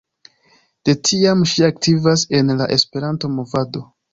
De tiam ŝi aktivas en la Esperanto-movado.